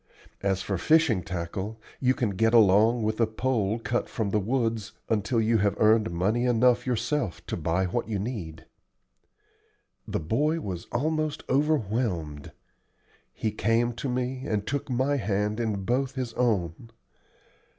As for fishing tackle, you can get along with a pole cut from the woods until you have earned money enough yourself to buy what you need." The boy was almost overwhelmed. He came to me, and took my hand in both his own.